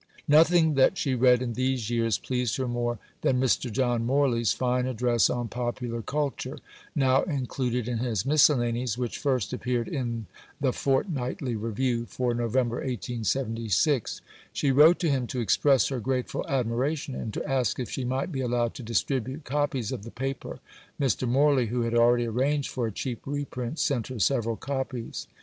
Nothing that she read in these years pleased her more than Mr. John Morley's fine address on "Popular Culture," now included in his Miscellanies, which first appeared in the Fortnightly Review for November 1876. She wrote to him to express her grateful admiration and to ask if she might be allowed to distribute copies of the paper. Mr. Morley, who had already arranged for a cheap reprint, sent her several copies.